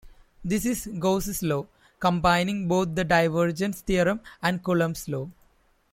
This is Gauss's law, combining both the divergence theorem and Coulomb's law.